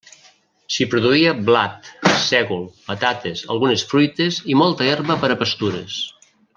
S'hi produïa blat, sègol, patates, algunes fruites i molta herba per a pastures.